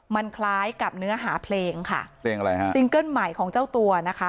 มันคล้ายกับเนื้อหาเพลงค่ะเพลงอะไรฮะซิงเกิ้ลใหม่ของเจ้าตัวนะคะ